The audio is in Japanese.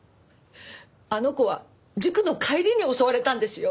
あの子は塾の帰りに襲われたんですよ。